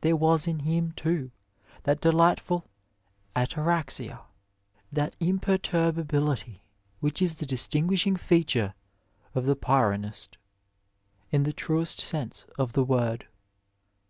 There was in him, too, that delightful ^' ataraxia," that imperturbability which is the distinguishing feature of the Pyrrhonist, in the truest sense of the word.